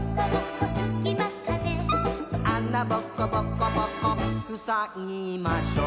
「あなぼこぼこぼこふさぎましょう」